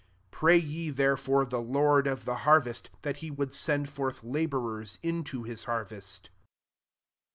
38 Pray ye therefore the Lord of the harvest, that he would send forth labourers into his harvest."